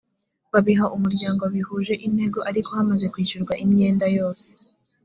babiha umuryango bihuje intego ariko hamaze kwishyurwa imyenda yose